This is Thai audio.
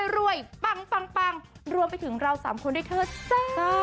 รวยปลังรวมไปถึงเรา๓คนด้วยเถอะ